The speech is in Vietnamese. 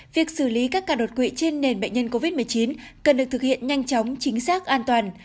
việc xử lý các ca đột quỵ trên nền bệnh nhân covid một mươi chín cần được thực hiện nhanh chóng chính xác an toàn